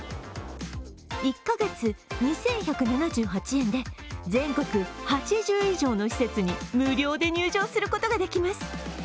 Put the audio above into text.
１カ月２１７８円で全国８０以上の施設に無料で入場することができます。